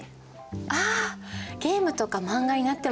ああゲームとか漫画になってますよね。